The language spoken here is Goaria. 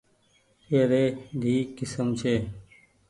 اي ري دئي ڪسم ڇي۔